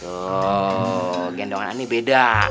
tuh gendongan aneh beda